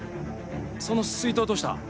その水筒はどうした？